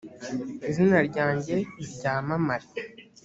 izina ryanjye ryamamare